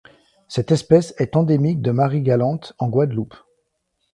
Cette espèce est endémique de Marie-Galante en Guadeloupe.